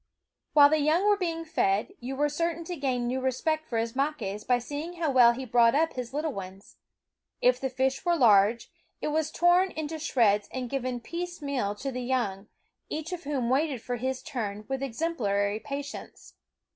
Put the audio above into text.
While the young were being fed, you were certain to gain new respect for Ismaques by seeing how well he brought up his little ones. If the fish were large, it was torn into shreds and given piecemeal to the young, each of whom waited for his turn with exemplary patience.